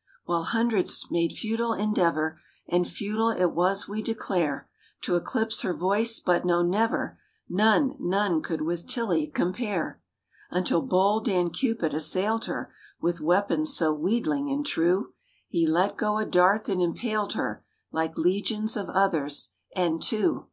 H5 While hundreds made futile endeavor, And futile it was we declare, To eclipse her voice—but no, never— None, none could with Tillie compare— Until bold Dan Cupid assailed her With weapons so wheedling and true. He let go a dart that impaled her Like legions of others. And, too.